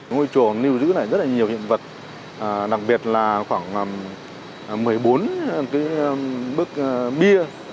ngôi chùa lưu giữ lại rất nhiều hiện vật đặc biệt là khoảng một mươi bốn bức bia